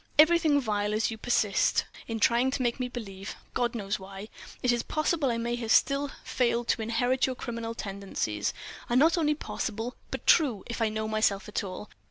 —everything vile, as you persist in trying to make me believe—God knows why!—it is possible I may still have failed to inherit your criminal tendencies; and not only possible, but true, if I know myself at all.